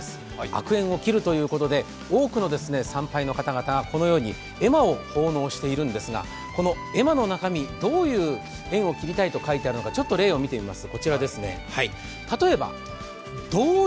悪縁を切るということで多くの参拝の方々、このように絵馬を奉納しているんですが、この絵馬の中身、どういう縁を切りたいと書かれているのか例を見てみます。